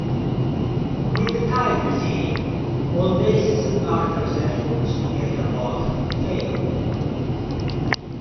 With the tide receding, all "Dace"s and "Darter"s efforts to get her off failed.